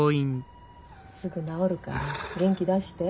すぐ治るから元気出して。